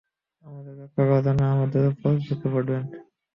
আমাকে রক্ষা করার জন্য আমার উপর ঝুঁকে পড়লেন।